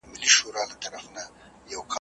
له شهیده څه خبر دي پر دنیا جنتیان سوي ,